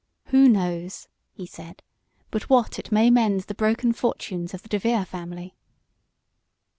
"Who knows," he said, "but what it may mend the broken fortunes of the DeVere family?"